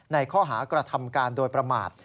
ในข้อหากระทำการโดยประมาท